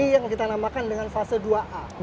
yang kita namakan dengan fase dua a